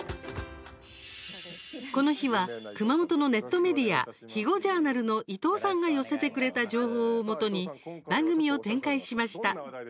この日は熊本のネットメディア「肥後ジャーナル」の伊藤さんが寄せてくれた情報をもとに番組を展開しました。